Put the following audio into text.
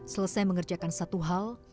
selesai mengerjakan satu hal